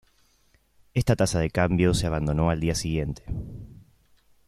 Esta tasa de cambio se abandonó al día siguiente.